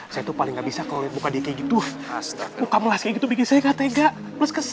saya tuh paling nggak bisa kalau buka dikit tuh astaga